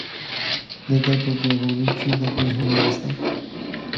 د ده په بې غورۍ کې د دوی هم لاس دی.